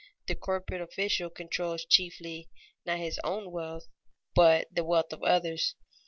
The corporate official controls chiefly not his own wealth, but the wealth of others.